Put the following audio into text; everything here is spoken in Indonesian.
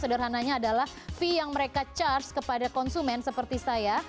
sederhananya adalah fee yang mereka charge kepada konsumen seperti saya